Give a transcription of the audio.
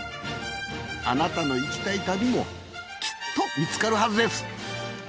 あなたの行きたい旅もきっと見つかるはずです